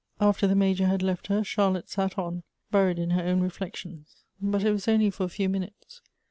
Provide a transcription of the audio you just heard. After the Major had left her, Charlotte sat on, buried in her own reflections ; but it was only for a few minutes.